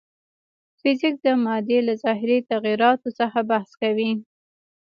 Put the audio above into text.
فزیک د مادې له ظاهري تغیراتو څخه بحث کوي.